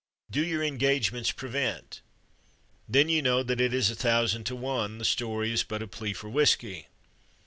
Do your engagements prevent? Then you know that it is a thousand to one the story is but a plea for whiskey.